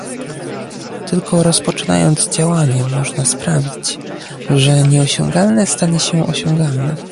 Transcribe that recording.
Tylko rozpoczynając działanie można sprawić, że nieosiągalne stanie się osiągalne